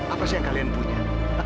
apa sih yang kalian punya